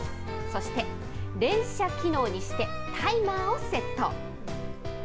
そして連写機能にしてタイマーをセット。